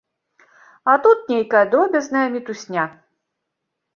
А тут нейкая дробязная мітусня.